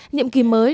nhiệm kỳ mới